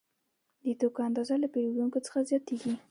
د توکو اندازه له پیرودونکو څخه زیاتېږي